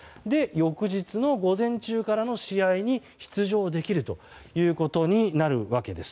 翌日の午前中からの試合に出場できるということになるわけです。